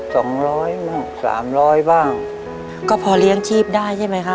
สองร้อยบ้างสามร้อยบ้างก็พอเลี้ยงชีพได้ใช่ไหมคะ